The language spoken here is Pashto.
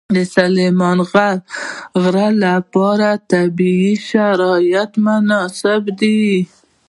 د سلیمان غر لپاره طبیعي شرایط مناسب دي.